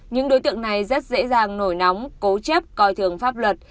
những đối tượng này rất dễ dàng nổi nóng cố chấp coi thường pháp luật